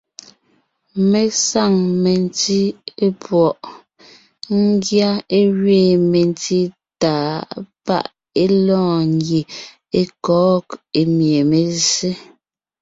Mé saŋ memdí epwɔʼ, ńgyá é gẅiin mentí tàa páʼ é lɔɔn ńgie é kɔ̌g, emie mé zsé.